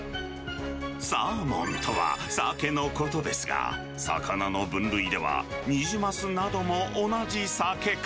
サーモンとは、サケのことですが、魚の分類では、ニジマスなども同じサケ科。